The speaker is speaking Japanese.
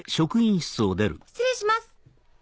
失礼します。